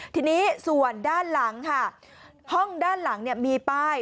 ทีนี้ส่วนด้านหลังค่ะห้องด้านหลังมีป้าย